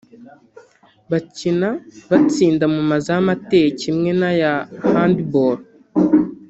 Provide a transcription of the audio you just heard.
Bakina batsinda mu mazamu ateye kimwe n’aya Handball